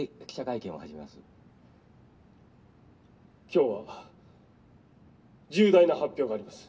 今日は重大な発表があります。